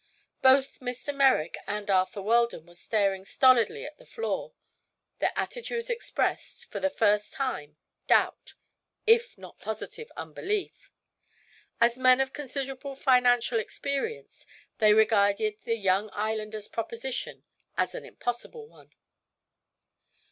Both Mr. Merrick and Arthur Weldon were staring stolidly at the floor. Their attitudes expressed, for the first time, doubt if not positive unbelief. As men of considerable financial experience, they regarded the young islander's proposition as an impossible one.